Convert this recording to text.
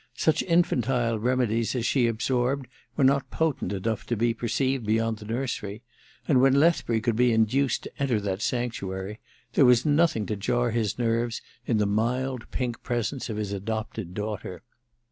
Such infantile remedies as she absorbed were not potent enough to be per ceived beyond the nursery ; and when Lethbury could be induced to enter that sanctuary, there was nothing to jar his nerves in the mild pink presence or his adopted daughter.